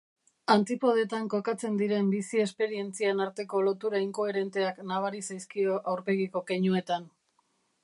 Antipodetan kokatzen diren bizi-esperientzien arteko lotura inkoherenteak nabari zaizkio aurpegiko keinuetan.